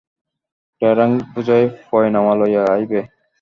টেরাং বোঝাই পয়নামা লইয়া আইবে ।